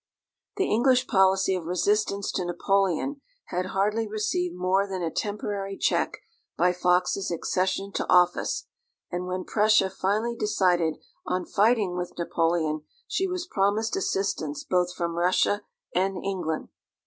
The English policy of resistance to Napoleon had hardly received more than a temporary check by Fox's accession to office, and when Prussia finally decided on fighting with Napoleon, she was promised assistance both from Russia and England.